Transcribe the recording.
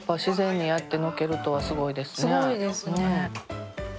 すごいですね。